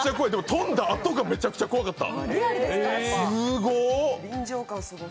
飛んだあとが、めちゃくちゃ怖かった！